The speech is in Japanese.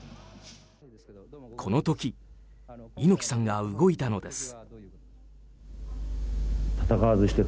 この時、猪木さんが動いたのです。